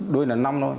đuôi là năm thôi